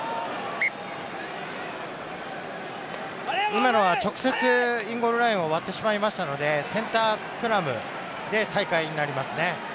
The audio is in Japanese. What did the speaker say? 今のは直接インゴールラインを割ってしまったのでセンタースクラムで再開になりますね。